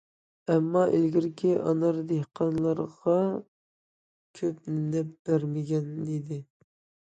ئەمما ئىلگىرى ئانار دېھقانلارغا كۆپ نەپ بەرمىگەنىدى.